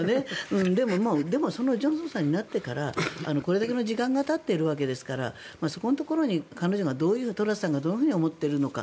でも、そのジョンソンさんになってからこれだけの時間がたっているわけですからそこのところにトラスさんがどういうふうに思っているのか。